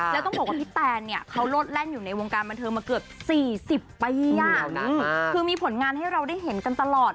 แล้วต้องบอกว่าพี่แตนเนี่ยเขาโลดแล่นอยู่ในวงการบันเทิงมาเกือบ๔๐ปีคือมีผลงานให้เราได้เห็นกันตลอด